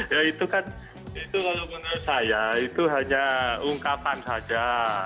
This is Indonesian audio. ya itu kan itu kalau menurut saya itu hanya ungkapan saja